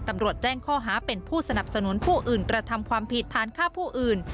ตำรวจแจ้งข้อหาเป็นผู้สนับสนุนผู้อื่นกระทำความผิดฐานฆ่าผู้อื่น